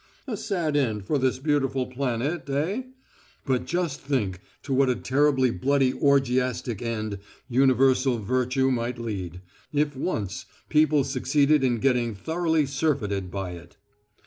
A sad end for this beautiful planet, eh? But just think to what a terrible bloody orgiastic end universal virtue might lead, if once people succeeded in getting thoroughly surfeited by it!